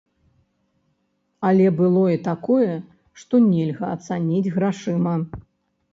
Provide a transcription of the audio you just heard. Але было і такое, што нельга ацаніць грашыма.